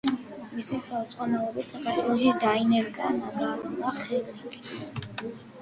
მისი ხელმძღვანელობით საქართველოში დაინერგა ნაგალა ხეხილი.